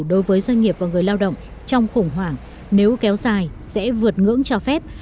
đối với doanh nghiệp và người lao động trong khủng hoảng nếu kéo dài sẽ vượt ngưỡng cho phép